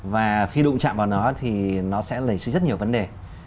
và khi đụng chạm vào nó thì nó sẽ lấy sứ rất nhiều vấn đề